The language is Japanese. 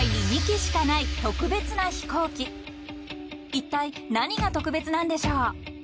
［いったい何が特別なんでしょう？］